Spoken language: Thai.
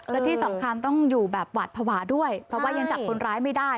และที่สำคัญต้องอยู่แบบหวัดภาวะด้วยเพราะว่ายังจับคนร้ายไม่ได้